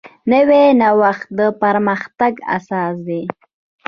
نوی نوښت د پرمختګ اساس دی